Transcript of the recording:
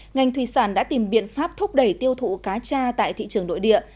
ngành thủy sản đã tìm biện pháp thúc đẩy tiêu thụ cá tra tại thị trường nội địa